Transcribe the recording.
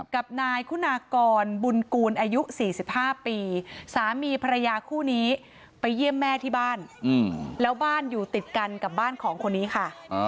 กับนายคุณากรบุญกูลอายุ๔๕ปีสามีภรรยาคู่นี้ไปเยี่ยมแม่ที่บ้านแล้วบ้านอยู่ติดกันกับบ้านของคนนี้ค่ะ